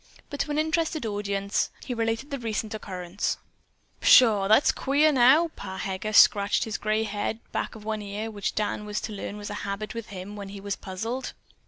But to an interested audience he related the recent occurrence. "Pshaw, that's queer now!" Pa Heger scratched his gray head back of one ear, which Dan was to learn was a habit with him when he was puzzled.